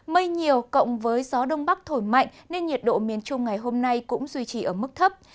mây nhiều cộng với gió đông bắc thổi mạnh nên nhiệt độ miền trung ngày hôm nay cũng duy trì ở mức thấp